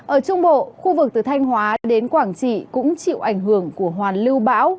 ở trung bộ khu vực từ thanh hóa đến quảng trị cũng chịu ảnh hưởng của hoàn lưu bão